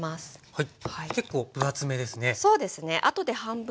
はい。